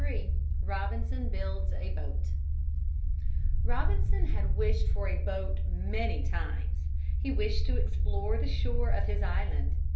XXXIII ROBINSON BUILDS A BOAT Robinson had wished for a boat many times. He wished to explore the shore of his island.